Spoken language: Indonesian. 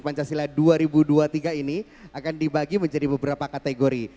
pancasila dua ribu dua puluh tiga ini akan dibagi menjadi beberapa kategori